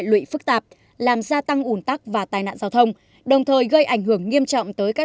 lụy phức tạp làm gia tăng ủn tắc và tai nạn giao thông đồng thời gây ảnh hưởng nghiêm trọng tới các